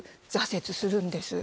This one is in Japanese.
挫折するんです。